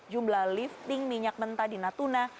jumlah lifting minyak mentah di natuna